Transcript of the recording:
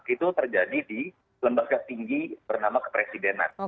itu terjadi di lembaga tinggi bernama kepresidenan